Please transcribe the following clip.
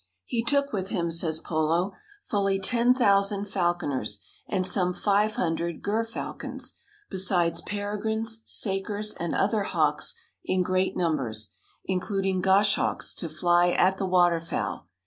"He took with him," says Polo, "fully 10,000 falconers and some 500 gerfalcons, besides peregrines, sakers and other hawks in great numbers, including goshawks, to fly at the waterfowl.